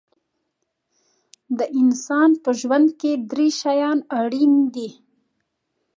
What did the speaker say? د انسان په ژوند کې درې شیان اړین دي.